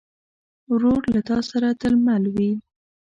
ورور له تا سره تل مل وي.